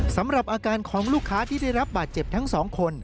สำหรับอาการของลูกค้าที่ได้รับบาดเจ็บทั้งสองคน